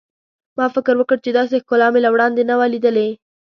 ما فکر وکړ چې داسې ښکلا مې له وړاندې نه وه لیدلې.